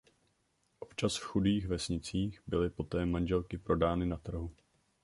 Občas v chudých vesnicích byly poté manželky prodány na trhu.